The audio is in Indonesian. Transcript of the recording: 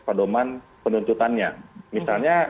pedoman penuntutannya misalnya